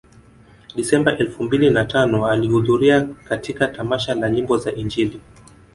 Desemba elfu mbili na tano alihudhuria katika tamasha la nyimbo za Injili